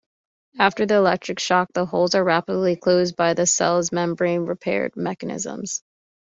After the electric shock, the holes are rapidly closed by the cell's membrane-repair mechanisms.